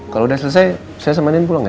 kalau udah selesai saya sama nenek pulang ya